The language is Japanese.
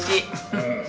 うん。